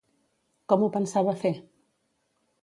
Com ho pensava fer?